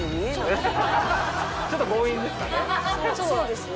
ちょっと強引ですかね？